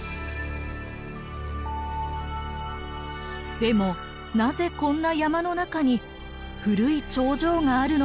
でもなぜこんな山の中に古い長城があるのでしょうか？